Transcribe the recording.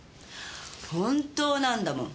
本当なんだもん。